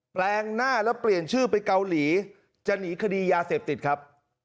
แปลงหน้าแล้วเปลี่ยนชื่อไปเกาหลีจะหนีคดียาเสพติดครับ